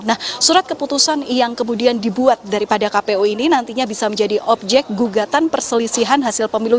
nah surat keputusan yang kemudian dibuat daripada kpu ini nantinya bisa menjadi objek gugatan perselisihan hasil pemilu